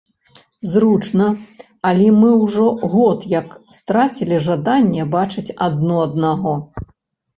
Зручна, але мы ўжо год як страцілі жаданне бачыць адно аднаго.